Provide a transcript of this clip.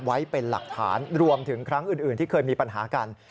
ไว้เป็นหลักฐานรวมถึงครั้งอื่นที่เคยมีปัญหากัน